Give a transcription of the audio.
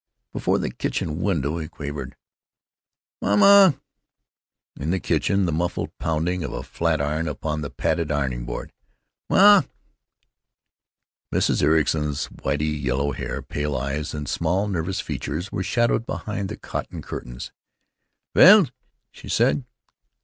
Before the kitchen window he quavered: "Ma ma!" In the kitchen, the muffled pounding of a sad iron upon the padded ironing board. "Ma!" Mrs. Ericson's whitey yellow hair, pale eyes, and small nervous features were shadowed behind the cotton fly screen. "Vell?" she said.